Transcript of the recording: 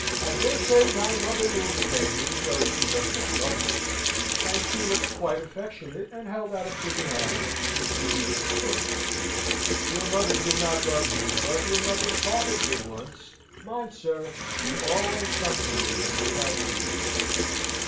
I dare say thy mother will repay me, though she does not love me." And she looked quite affectionate, and held out a pretty hand, which the youth kissed. "Your mother did not love me, but your mother's father did once. Mind, sir, you always come to me when you have need of me."